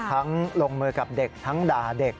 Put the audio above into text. ลงมือกับเด็กทั้งด่าเด็ก